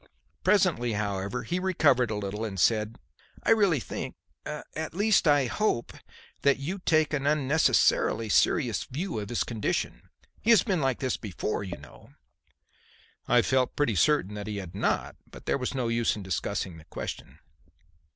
Presently, however, he recovered a little and said: "I really think at least I hope that you take an unnecessarily serious view of his condition. He has been like this before, you know." I felt pretty certain that he had not, but there was no use in discussing the question.